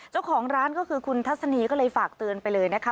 เจ้าของร้านก็คือคุณทัศนีก็เลยฝากเตือนไปเลยนะคะ